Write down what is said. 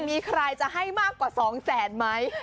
มีใครจะให้มากกว่า๒แสนไหม